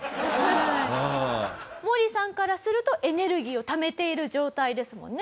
モーリーさんからするとエネルギーをためている状態ですもんね？